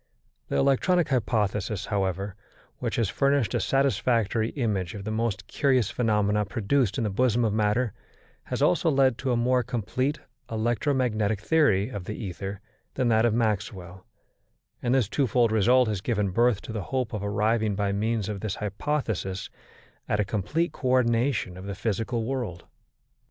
The electronic hypothesis, however, which has furnished a satisfactory image of the most curious phenomena produced in the bosom of matter, has also led to a more complete electromagnetic theory of the ether than that of Maxwell, and this twofold result has given birth to the hope of arriving by means of this hypothesis at a complete co ordination of the physical world.